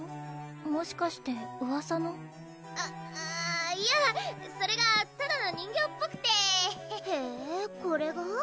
もしかしてうわさのあっあいやそれがただの人形っぽくてへこれが？